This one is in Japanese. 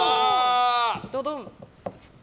ドドン！